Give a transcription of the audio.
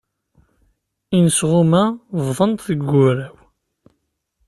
Inesɣuma bḍantt deg ugraw.